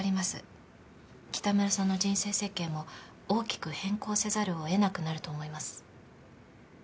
北村さんの人生設計も大きく変更せざるを得なくなると思います。